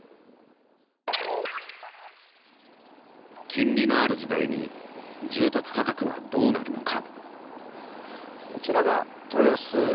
金利のある時代に住宅価格はどうなるのか。